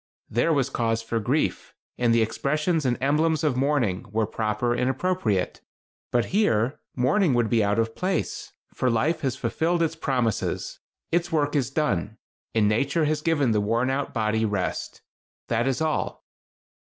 There was cause for grief, and the expressions and emblems of mourning were proper and appropriate. But here, mourning would be out of place, for life has fulfilled its promises. Its work is done, and nature has given the worn out body rest. That is all."